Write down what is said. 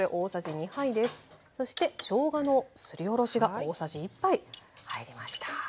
そしてしょうがのすりおろしが大さじ１杯入りました。